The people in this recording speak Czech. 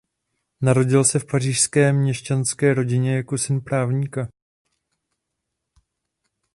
Narodil se v pařížské měšťanské rodině jako syn právníka.